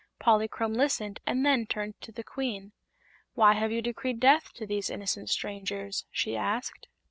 Polychrome listened and then turned to the Queen. "Why have you decreed death to these innocent strangers?" she asked.